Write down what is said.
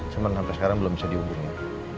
cuman sampe sekarang belum bisa diunggah